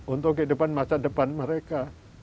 untuk kehidupan masa depan mereka